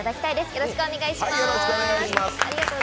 よろしくお願いします。